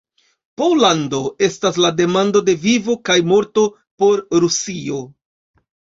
Pollando estas la demando de vivo kaj morto por Rusio.